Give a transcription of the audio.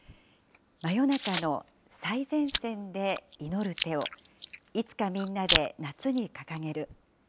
真夜中の最前線で祈る手をいつかみんなで夏に掲げる。